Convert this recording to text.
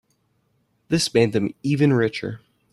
This made them even richer.